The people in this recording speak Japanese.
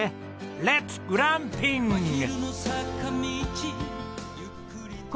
レッツグランピング！